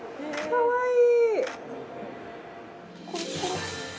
かわいい。